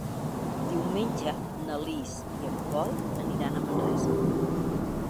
Diumenge na Lis i en Pol aniran a Manresa.